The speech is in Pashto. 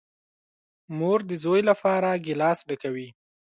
مور ده زوی لپاره گیلاس ډکوي .